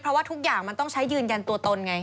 เพราะว่าทุกอย่างมันต้องใช้ยืนยันตัวตนไง